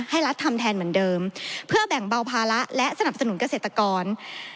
รัฐทำแทนเหมือนเดิมเพื่อแบ่งเบาภาระและสนับสนุนเกษตรกร